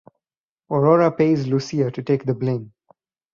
Aurora pays Lucia to take the blame.